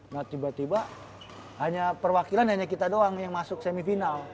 nah tiba tiba hanya perwakilan hanya kita doang yang masuk semifinal